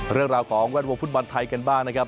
เรื่องราวของแวดวงฟุตบอลไทยกันบ้างนะครับ